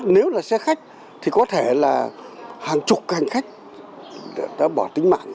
nếu là xe khách thì có thể là hàng chục hành khách đã bỏ tính mạng